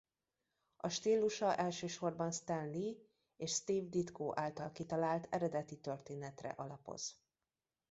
A stílusa elsősorban Stan Lee és Steve Ditko által kitalált eredeti történetre alapoz.